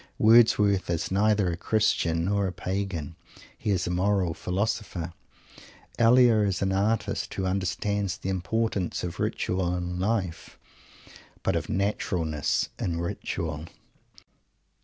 Wordsworth is neither a Christian or a Pagan. He is a moral philosopher. Elia is an artist, who understands the importance of ritual in life but of naturalness in ritual.